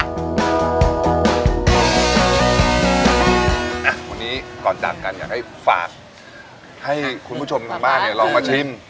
วันนี้ก่อนจากกันอยากให้ฝากให้คุณผู้ชมทางบ้านเนี่ยลองมาชิม